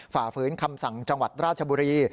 ฝ่าฝืนคำสั่งจังหวัดราชบุรี